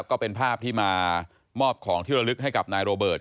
ก็เป็นภาพที่มามอบของที่ระลึกให้กับนายโรเบิร์ต